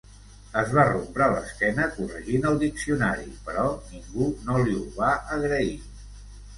Es va rompre l'esquena corregint el diccionari, però ningú no li ho va agrair.